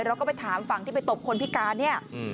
เราก็ไปถามฝั่งที่ไปตบคนพิการเนี่ย